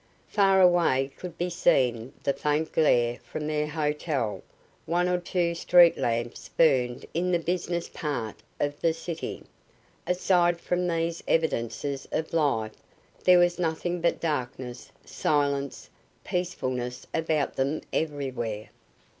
Far away could be seen the faint glare from their hotel; one or two street lamps burned in the business part of the city; aside from these evidences of life there was nothing but darkness, silence, peacefulness about them everywhere.